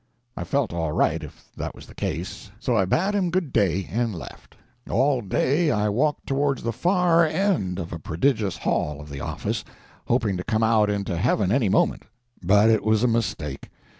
I felt all right, if that was the case, so I bade him good day and left. All day I walked towards the far end of a prodigious hall of the office, hoping to come out into heaven any moment, but it was a mistake.